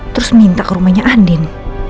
terus minta ke rumahnya andin